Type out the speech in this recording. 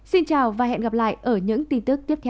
xin chào và hẹn gặp lại ở những tin tức tiếp theo